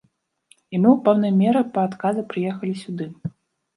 І мы ў пэўнай меры па адказы прыехалі сюды.